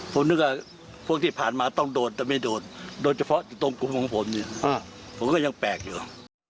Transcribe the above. ผมนึกว่าพวกที่ผ่านมาต้องโดดแต่ไม่โดดโดยเฉพาะตรงกลุ่มของผมเนี่ยผมก็ยังแปลกอยู่